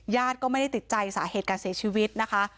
ญาติก็ไม่ได้ติดใจสาเหตุการเสียชีวิตนะคะ